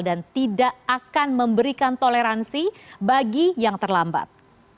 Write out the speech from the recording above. dan tidak akan memberikan toleransi bagi yang terlambat